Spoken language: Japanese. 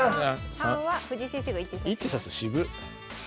３は藤井先生が１手指す。